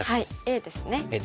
Ａですね。